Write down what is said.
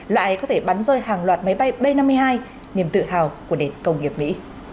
lại có thể bắn rơi hàng loạt máy bay b năm mươi hai niềm tự hào của nền công nghiệp mỹ